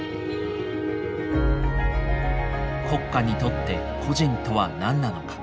国家にとって個人とは何なのか。